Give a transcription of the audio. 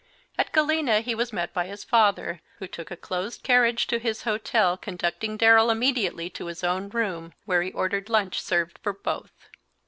At Galena he was met by his father, who took a closed carriage to his hotel, conducting Darrell immediately to his own room, where he ordered lunch served for both.